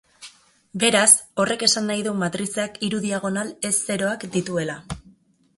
Beraz, horrek esan nahi du matrizeak hiru diagonal ez-zeroak dituela.